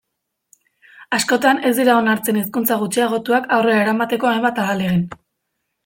Askotan ez dira onartzen hizkuntza gutxiagotuak aurrera eramateko hainbat ahalegin.